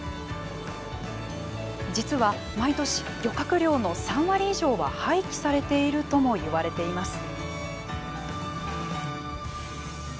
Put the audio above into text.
実は毎年、漁獲量の３割以上は廃棄されているともいわれています。